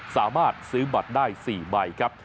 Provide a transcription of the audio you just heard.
สามารถซื้อบัตรได้๔ใบครับ